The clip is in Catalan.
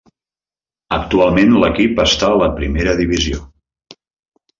Actualment, l'equip està a la primera divisió.